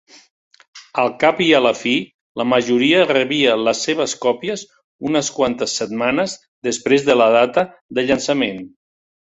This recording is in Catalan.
Al cap i a la fi, la majoria rebia les seves còpies unes quantes setmanes després de la data de llançament.